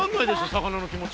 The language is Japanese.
魚の気持ちは。